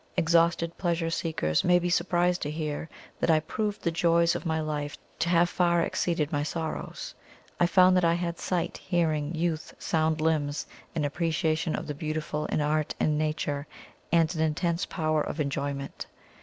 Exhausted pleasure seekers may be surprised to hear that I proved the joys of my life to have far exceeded my sorrows. I found that I had sight, hearing, youth, sound limbs, an appreciation of the beautiful in art and nature, and an intense power of enjoyment.